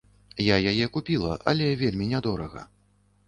Я яе купіла, але вельмі нядорага.